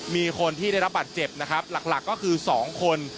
มีคนที่ได้รับบัตรเจ็บนะครับหลักก็คือ๒คน